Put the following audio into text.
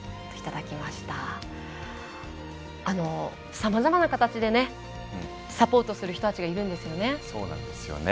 さまざまな形でサポートする人たちがいるんですよね。